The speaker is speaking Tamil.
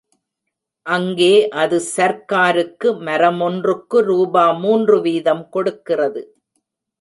அங்கே அது சர்க்காருக்கு மரமொன்றுக்கு ரூபா மூன்று வீதம் கொடுக்கிறது.